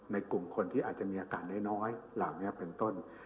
กลุ่มคนที่อาจจะมีอาการน้อยเหล่านี้เป็นต้น